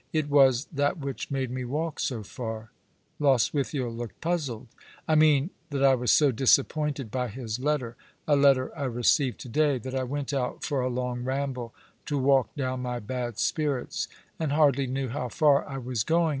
It was that which made me walk so far." Lostwithiel looked puzzled. " I mean that I was so disappointed by his letter — a letter I received to day — that I went out for a long ramble to walk down my bad spirits, and hardly knew how far I was going.